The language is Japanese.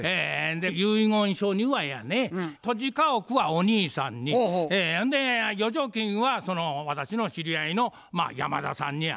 で遺言書にはやね土地家屋はお兄さんにほんで預貯金はその私の知り合いの山田さんにや。